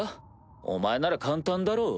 お前なら簡単だろう？